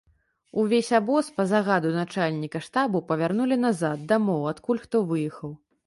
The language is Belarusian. Увесь абоз, па загаду начальніка штабу, павярнулі назад, дамоў, адкуль хто выехаў.